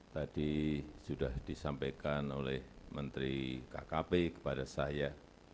tadi sudah disampaikan oleh menteri kkp kepada saya